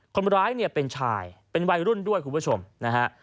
คนร้ายเนี่ยเป็นชายเป็นวัยรุ่นด้วยคุณผู้ชมนะฮะ